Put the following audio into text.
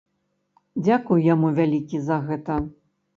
Дзякуй яму вялікі за гэта.